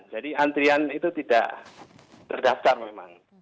jadi antrian itu tidak terdaftar memang